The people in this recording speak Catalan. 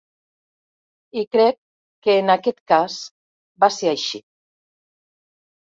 I crec que en aquest cas va ser així.